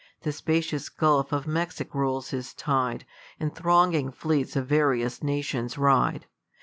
The spacious gulf of Mcxic' rolFs his tide, And thronging fleets of various nations ride.